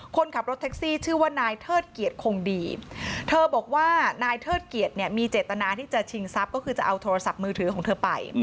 คนขับรถแท็กซี่ชื่อว่านายเทิดเกียรติคงดีเธอบอกว่านายเทิดเกียรติเนี่ยมีเจตนาที่จะชิงทรัพย์ก็คือจะเอาโทรศัพท์มือถือของเธอไป